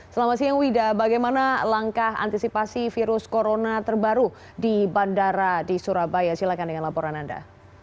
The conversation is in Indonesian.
selamat siang wida bagaimana langkah antisipasi virus corona terbaru di bandara di surabaya silahkan dengan laporan anda